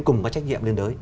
cùng có trách nhiệm liên đối